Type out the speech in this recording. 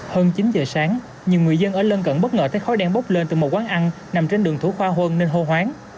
hơn chín giờ sáng nhiều người dân ở lân cận bất ngờ thấy khói đen bốc lên từ một quán ăn nằm trên đường thủ khoa huân nên hô hoáng